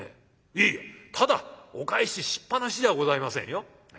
いやただお帰ししっぱなしではございませんよ。